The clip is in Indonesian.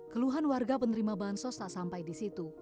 keluhan warga penerima bansos tak sampai di situ